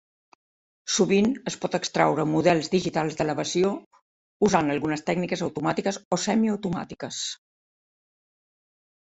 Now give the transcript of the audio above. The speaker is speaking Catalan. Sovint es pot extraure models digitals d'elevació usant algunes tècniques automàtiques o semiautomàtiques.